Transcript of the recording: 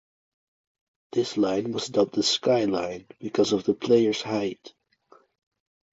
This line was dubbed the "Skyline" because of the players' height.